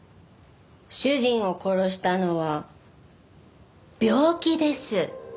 主人を殺したのは病気です。